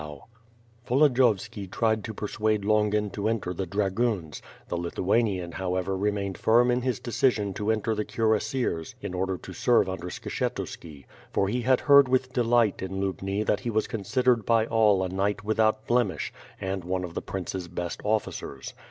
WITE FIRE AND SWORD, 73 Volodiyovski tried to persuade Longin to enter the dra goons; the Lithuanian however remained firm in his decision to enter the Cuirassiers, in order to serve under Skshetuski; for he had heard with delight in Lubni that he was con sidered by all a knight without blemish, and one of the prince's best officers.